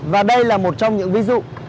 và đây là một trong những ví dụ